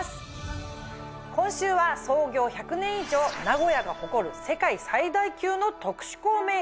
今週は創業１００年以上名古屋が誇る世界最大級の特殊鋼メーカー